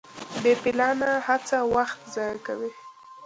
بې پلانه هڅه وخت ضایع کوي.